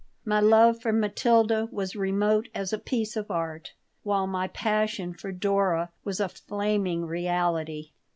My love for Matilda was remote as a piece of art, while my passion for Dora was a flaming reality.